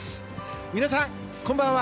皆さん、こんばんは。